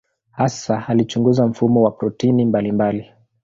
Hasa alichunguza mfumo wa protini mbalimbali.